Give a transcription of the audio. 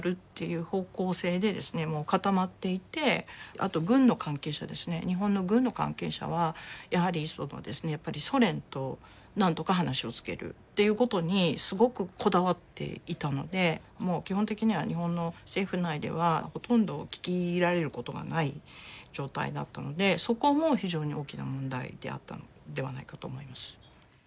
あと軍の関係者ですね日本の軍の関係者はやはりソ連となんとか話をつけるっていうことにすごくこだわっていたのでもう基本的には日本の政府内ではほとんど聞き入れられることがない状態だったのでそこも非常に大きな問題であったのではないかと思います。